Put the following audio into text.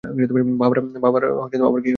বাবার আবার কি হয়েছে?